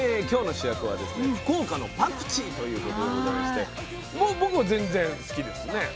今日の主役はですね福岡のパクチーということでございましてもう僕は全然好きですね。